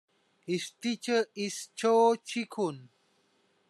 His teacher is Cho Chikun.